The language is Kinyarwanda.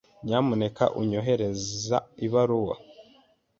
Nyamuneka onyoherereza ibaruwa.